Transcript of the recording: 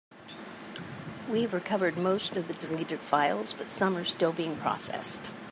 We have recovered most of the deleted files, but some are still being processed.